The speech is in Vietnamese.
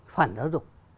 phản giáo dục